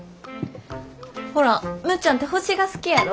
ほらむっちゃんて星が好きやろ？